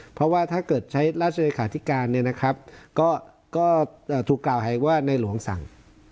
เพราะว่าถ้าเกิดใช้ราชเลขาธิการเนี่ยนะครับก็ถูกกล่าวหาว่าในหลวงสั่ง